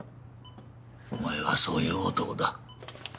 お前はそういう男だ。